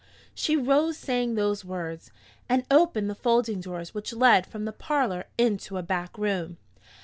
She rose saying those words, and opened the folding doors which led from the parlor into a back room.